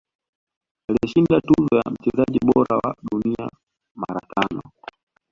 Alishinda tuzo ya mchezaji bora wa dunia mara tano